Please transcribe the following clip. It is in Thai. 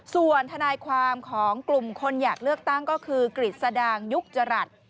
ส่วนทนายความของกลุ่มคนอยากเลือกตั้งก็คือกฤษดางยุคจรัส